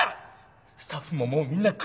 スタッフももうみんな首だ！